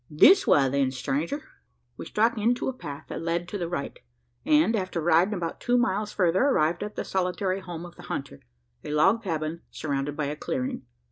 "This way, then, stranger!" We struck into a path that led to the right; and, after riding about two miles further, arrived at the solitary home of the hunter a log cabin surrounded by a clearing.